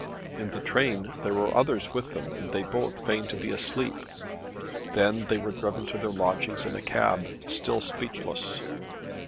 In the train there were others with them and they both feigned to be asleep. Then they were driven to their lodgings in a cab, still speechless.